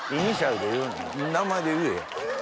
名前で言えや。